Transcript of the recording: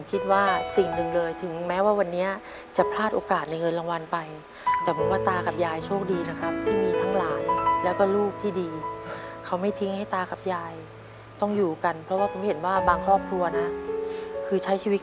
พี่พี่พี่พี่พี่พี่พี่พี่พี่พี่พี่พี่พี่พี่พี่พี่พี่พี่พี่พี่พี่พี่พี่พี่พี่พี่พี่พี่พี่พี่พี่พี่พี่พี่